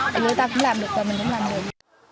thì người ta cũng làm được rồi mình cũng làm được